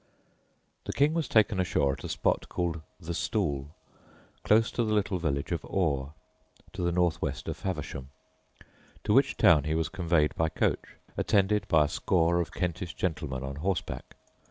The King was taken ashore at a spot called "the Stool," close to the little village of Oare, to the north west of Faversham, to which town he was conveyed by coach, attended by a score of Kentish gentlemen on horseback.